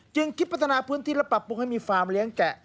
จึงคิดพัฒนาพื้นที่และปรับปรุงให้มีฟาร์มเลี้ยงแกะ